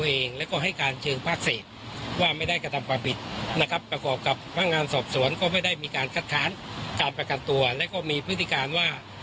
เองแล้วก็ให้การเชิงพากเศษว่าไม่ได้กระทำความผิดนะครับประกอบกับพนักงานสอบสวนก็ไม่ได้มีการคัดค้านการประกันตัวและก็มีพฤติการว่า